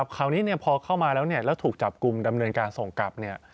คราวนี้พอเข้ามาแล้วแล้วถูกจับกลุ่มดำเนินการส่งกลับเนี่ย